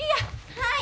はい。